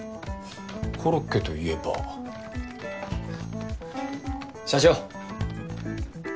コロッケと言えば社長！